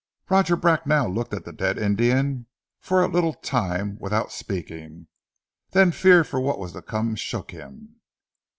Roger Bracknell looked at the dead Indian for a little time without speaking, then fear for what was to come shook him.